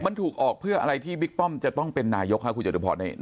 มันถูกออกเพื่ออะไรที่บิ๊กป้อมจะต้องเป็นนายกค่ะคุณจตุพร